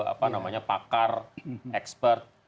apa namanya pakar expert